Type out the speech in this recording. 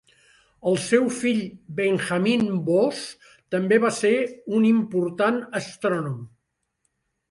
El seu fill Benjamin Boss també va ser un important astrònom.